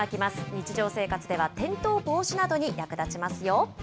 日常生活では転倒防止などに役立ちますよ。